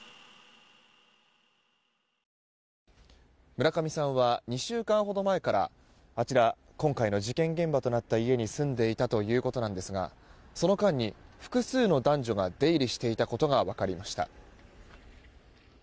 村上さんは２週間ほど前からあちら今回の事件現場となった家に住んでいたということなんですがその間に複数の男女が出入りしていたことが分かりました。